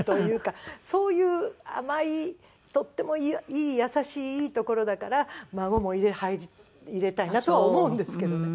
そういう甘いとってもいい優しいいいところだから孫も入れたいなとは思うんですけどね。